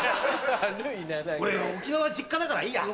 俺沖縄実家だからいいや。